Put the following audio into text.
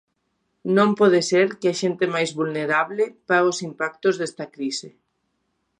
Non pode ser que a xente máis vulnerable pague os impactos desta crise.